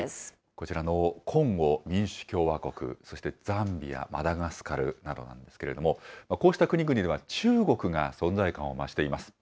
こちらのコンゴ民主共和国、そしてザンビア、マダガスカルなどなんですけれども、こうした国々では、中国が存在感を増しています。